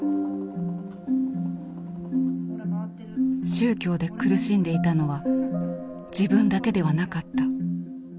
「宗教で苦しんでいたのは自分だけではなかった」。